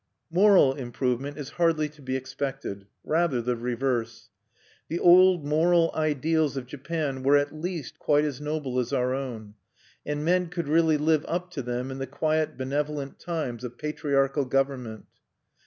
Moral improvement is hardly to be expected rather the reverse. The old moral ideals of Japan were at least quite as noble as our own; and men could really live up to them in the quiet benevolent times of patriarchal government.